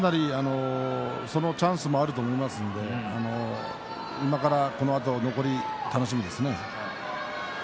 そのチャンスもあると思いますので今から、このあと残り楽しみですね。